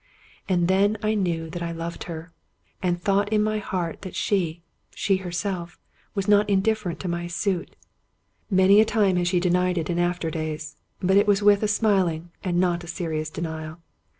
And then I knew that I loved her, and thought in my glad heart that she — she herself — ^was not indifferent to my suit. Many a time she has denied it in after days, but It was with a smiHng and not a serious denial.